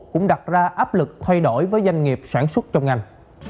cũng đặt ra áp lực thay đổi với doanh nghiệp sản xuất trong ngành